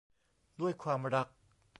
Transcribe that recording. ด้วยความรัก